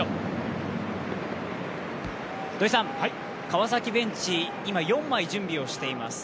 川崎ベンチ、今、４枚準備をしています。